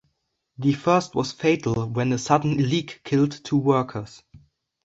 The first was fatal when a sudden leak killed two workers.